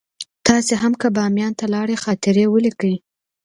تاسې هم که باميان ته لاړئ خاطرې ولیکئ.